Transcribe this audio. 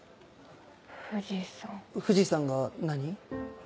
富士山が何？